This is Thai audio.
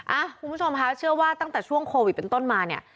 คุณผู้ชมค่ะเชื่อว่าตั้งแต่ช่วงโควิดเป็นต้นมาเนี่ย